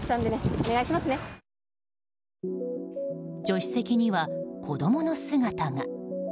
助手席には子供の姿が。